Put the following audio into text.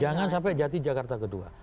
jangan sampai jati jakarta kedua